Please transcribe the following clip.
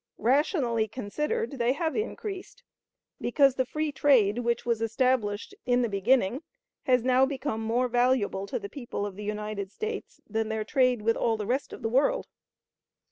Rationally considered, they have increased, because the free trade which was established in the beginning has now become more valuable to the people of the United States than their trade with all the rest of the world.